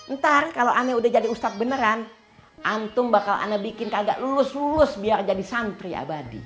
ntar kalau anda udah jadi ustadz beneran antum bakal anda bikin kagak lulus lulus biar jadi santri abadi